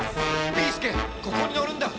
ビーすけここに乗るんだ！